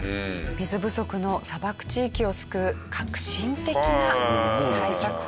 水不足の砂漠地域を救う革新的な対策法でした。